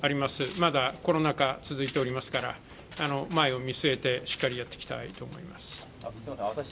まだ、コロナ禍、続いておりますから前を見据えてやっていきたいと思います。